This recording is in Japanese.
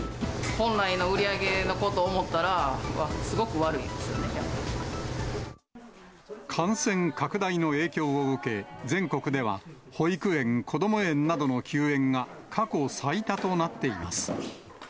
本来の売り上げのことを思ったら、感染拡大の影響を受け、全国では保育園、こども園などの休園が過去最多となっています。